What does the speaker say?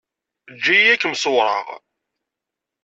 Eǧǧ-iyi ad kem-ṣewwreɣ.